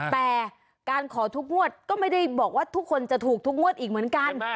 แต่การขอทุกงวดก็ไม่ได้บอกว่าทุกคนจะถูกทุกงวดอีกเหมือนกัน